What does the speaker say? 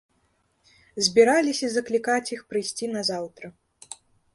Збіраліся заклікаць іх прыйсці назаўтра.